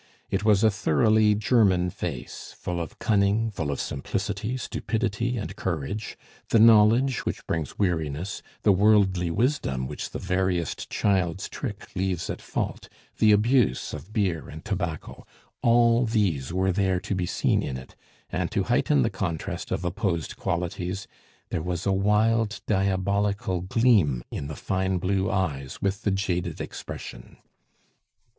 It was a thoroughly German face, full of cunning, full of simplicity, stupidity, and courage; the knowledge which brings weariness, the worldly wisdom which the veriest child's trick leaves at fault, the abuse of beer and tobacco, all these were there to be seen in it, and to heighten the contrast of opposed qualities, there was a wild diabolical gleam in the fine blue eyes with the jaded expression.